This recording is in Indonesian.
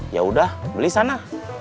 yaudah beli sana